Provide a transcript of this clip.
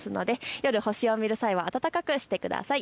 夜、星を見る際は暖かくしてください。